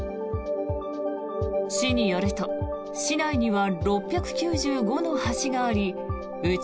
市によると市内には６９５の橋がありうち